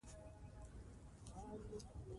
مسئولیت منونکی واوسه، تر څو خپلواک سې.